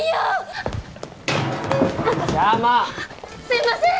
すいません！